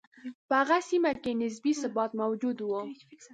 په هغه سیمه کې نسبي ثبات موجود و.